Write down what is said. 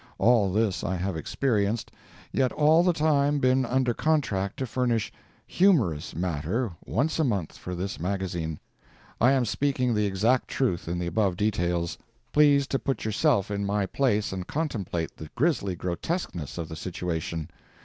All this I have experienced, yet all the time been under contract to furnish "humorous" matter once a month for this magazine. I am speaking the exact truth in the above details. Please to put yourself in my place and contemplate the grisly grotesqueness of the situation.